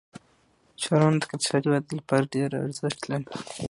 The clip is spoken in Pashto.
ښارونه د اقتصادي ودې لپاره ډېر ارزښت لري.